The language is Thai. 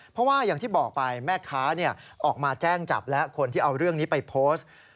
เพราะว่าอย่างที่บอกไปแม่ค้าออกมาแจ้งจับแล้วคนที่เอาเรื่องนี้ไปโพสต์